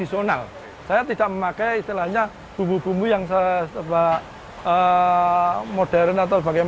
imodal atau bagaimanapun meredakah